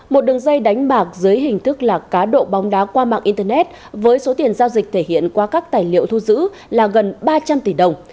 một đường dây đánh bạc dưới hình thức là cá độ bóng đá qua mạng internet với số tiền giao dịch thể hiện qua các tài liệu thu giữ là gần ba trăm linh tỷ đồng